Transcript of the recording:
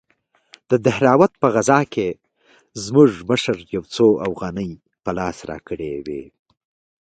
د دهراوت په غزا کښې زموږ مشر يو څو اوغانۍ په لاس راکړې وې.